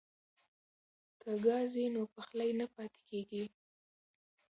که ګاز وي نو پخلی نه پاتې کیږي.